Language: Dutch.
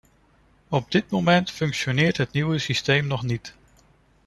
Op dit moment functioneert het nieuwe systeem nog niet.